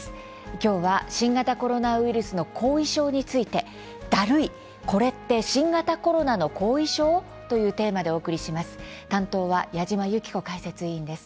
きょうは新型コロナウイルスの後遺症について「だるいこれって新型コロナの後遺症！？」をテーマにお伝えします。